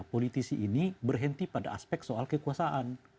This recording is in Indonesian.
politisi ini berhenti pada aspek soal kekuasaan